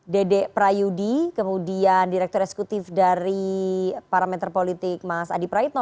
dede prayudi kemudian direktur eksekutif dari parameter politik mas adi praitno